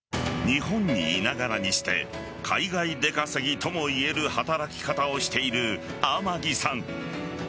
日本に居ながらにして海外出稼ぎともいえる働き方をしている天城さん。